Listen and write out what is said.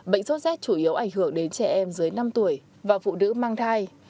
bệnh sốt rét chủ yếu ảnh hưởng đến trẻ em dưới năm tuổi và phụ nữ mang thai